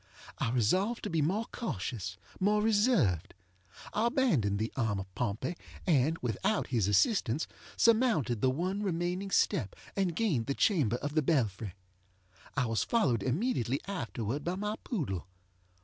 I resolved to be more cautious, more reserved. I abandoned the arm of Pompey, and, without his assistance, surmounted the one remaining step, and gained the chamber of the belfry. I was followed immediately afterward by my poodle.